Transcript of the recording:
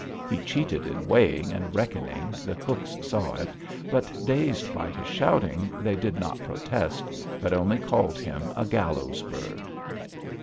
He cheated in weighing and reckoning, the cooks saw it, but, dazed by his shouting, they did not protest, but only called him a gallows bird.